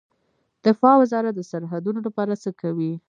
دفاع وزارت د سرحدونو لپاره څه کوي؟